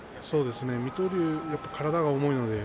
水戸龍は体が重いです。